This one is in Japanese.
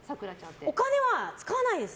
お金は使わないです。